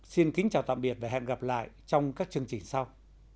xin kính chào tạm biệt và hẹn gặp lại trong các chương trình sau